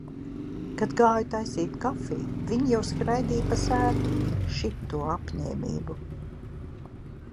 Kad gāju taisīt kafiju, viņi jau skraidīja pa sētu. Šito apņēmību.